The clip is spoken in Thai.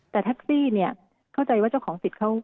แต่แท็กซี่เข้าใจว่าเจ้าของสิทธิ์